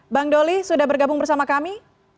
bang doli sudah bergabung bersama kami